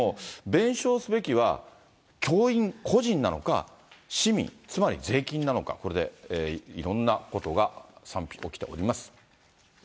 弁償すべきは教員個人なのか、市民、つまり税金なのか、これでいろんなことが賛否起きております。